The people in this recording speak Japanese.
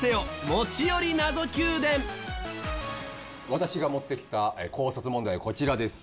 私が持ってきた考察問題はこちらです。